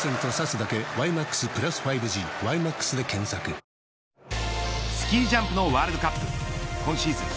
三菱電機スキージャンプのワールドカップ今シーズン